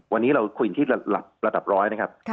วันนี้เราคุยที่ระดับร้อยนะครับ